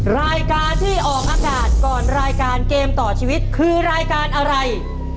รายการที่ออกอากาศก่อนรายการเกมต่อชีวิตคือรายการอะไร